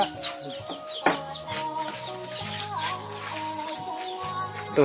อ่าเออ